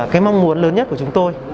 cái mong muốn lớn nhất của chúng tôi